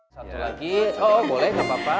satu lagi oh boleh nggak apa apa